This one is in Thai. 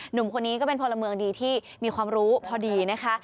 หนุ่มคนนี้ก็เป็นพลเมืองดีที่มีความรู้พอดีนะคะ